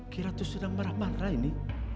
kiratus sedang marah marah ini